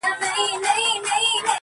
یوه خولگۍ خو مسته؛ راته جناب راکه؛